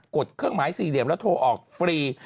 ดเครื่องหมายสี่เหลี่ยมแล้วโทรออกฟรี